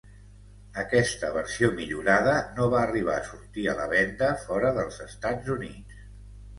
Aquesta versió millorada no va arribar a sortir a la venda fora dels Estats Units.